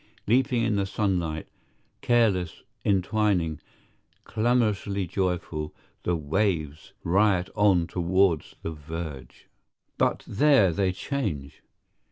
Leaping in the sunlight, careless, entwining, clamorously joyful, the waves riot on towards the verge. But there they change.